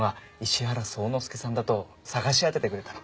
石原宗之助さんだと探し当ててくれたの。